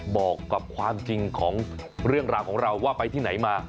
บอกกับความจริงของเรื่องราวของเราว่าไปที่ไหนมา